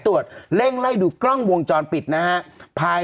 ทุกสตรวจเล่นไล่ดูกล้องมงจรปิดนะฮะภาย